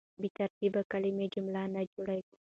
بې ترتیبه کلیمې جمله نه جوړوي.